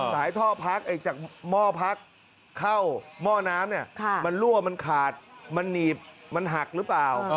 ท่อพักจากหม้อพักเข้าหม้อน้ำเนี่ยมันรั่วมันขาดมันหนีบมันหักหรือเปล่า